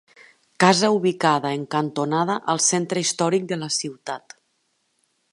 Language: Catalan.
Casa ubicada en cantonada al centre històric de la ciutat.